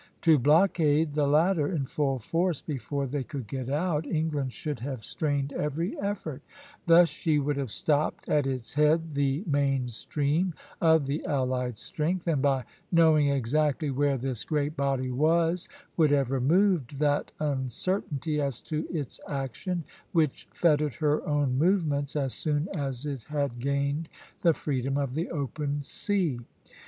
To blockade the latter in full force before they could get out, England should have strained every effort; thus she would have stopped at its head the main stream of the allied strength, and, by knowing exactly where this great body was, would have removed that uncertainty as to its action which fettered her own movements as soon as it had gained the freedom of the open sea.